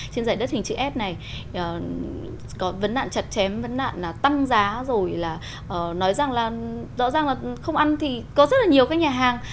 trên dạy đất hình chữ s này có vấn đạn chặt chém vấn đạn tăng giá rồi là nói rằng là rõ ràng là không ăn thì có rất là nhiều cái nhà hàng